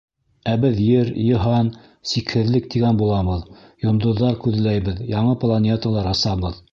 Ә беҙ Ер, йыһан, сикһеҙлек тигән булабыҙ, йондоҙҙар күҙләйбеҙ, яңы планеталар асабыҙ.